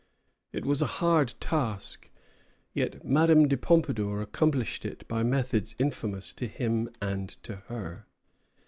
It was a hard task; yet Madame de Pompadour accomplished it by methods infamous to him and to her.